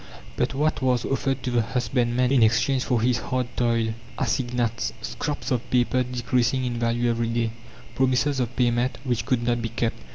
But what was offered to the husbandman in exchange for his hard toil? Assignats, scraps of paper decreasing in value every day, promises of payment, which could not be kept.